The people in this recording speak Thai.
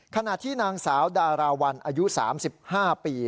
ขณะที่นางสาวดาราวันอายุ๓๕ปี